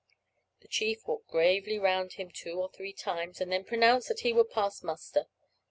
The chief walked gravely round him two or three times, and then pronounced that he would pass muster.